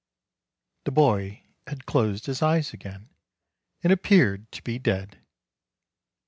The boy had closed his eyes again, and appeared to be dead.